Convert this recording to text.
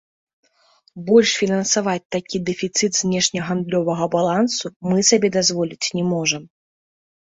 Больш фінансаваць такі дэфіцыт знешнегандлёвага балансу мы сабе дазволіць не можам.